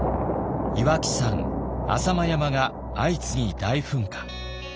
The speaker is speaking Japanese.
岩木山浅間山が相次ぎ大噴火。